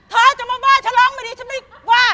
ถเราจะมาว่าชะล้องเหมือนเดี๋ยวฉันไม่ว่า